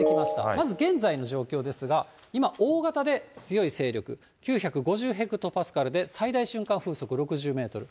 まず現在の状況ですが、今、大型で強い勢力、９５０ヘクトパスカルで、最大瞬間風速６０メートル。